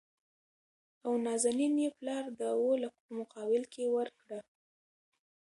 او نازنين يې پلار د اوولکو په مقابل کې ورکړه .